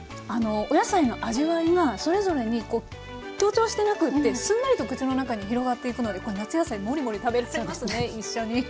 お野菜の味わいがそれぞれにこう強調してなくってすんなりと口の中に広がっていくのでこれ夏野菜モリモリ食べれちゃいますね一緒に。